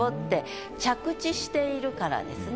しているからですね。